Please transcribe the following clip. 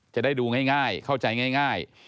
จะได้ดูง่ายเข้าใจง่าย